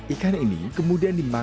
ikan ini kemudian dimakan